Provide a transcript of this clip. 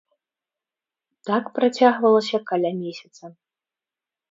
Так працягвалася каля месяца.